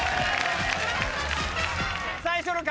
最初の壁